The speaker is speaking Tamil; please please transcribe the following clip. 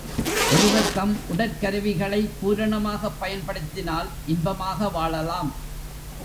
ஒருவர்தம் உடற்கருவிகளை பூரணமாகப் பயன்படுத்தினால் இன்பமாக வாழலாம்.